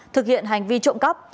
thực hiện hành vi trộm cắp